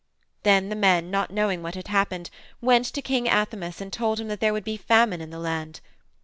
Then the men, not knowing what had happened, went to King Athamas and told him that there would be famine in the land.